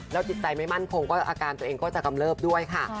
จิตใจไม่มั่นคงก็อาการตัวเองก็จะกำเริบด้วยค่ะ